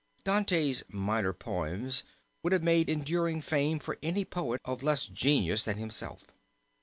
Dante's minor poems would have made enduring fame for any poet of less genius than himself.